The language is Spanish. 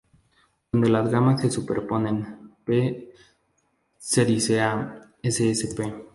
Donde las gamas se superponen, "P. sericea" ssp.